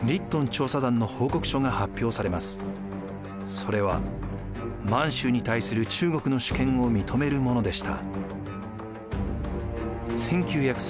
それは満州に対する中国の主権を認めるものでした。